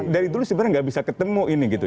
dari dulu sebenarnya nggak bisa ketemu ini gitu